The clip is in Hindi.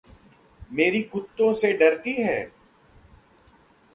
मेरी कुत्तों से डरती है।